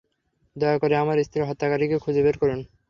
দয়া করে আমার স্ত্রীর হত্যাকারীকে খুঁজে বের করুন!